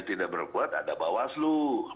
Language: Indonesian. tidak berbuat ada bawas lho